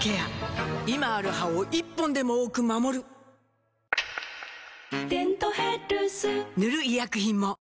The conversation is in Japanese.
今ある歯を１本でも多く守る「デントヘルス」塗る医薬品も